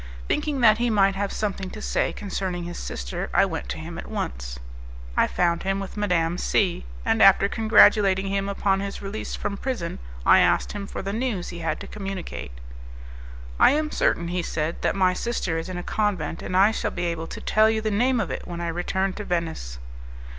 Thinking that he might have something to say concerning his sister, I went to him at once. I found him with Madame C , and after congratulating him upon his release from prison I asked him for the news he had to communicate. "I am certain," he said, "that my sister is in a convent, and I shall be able to tell you the name of it when I return to Venice."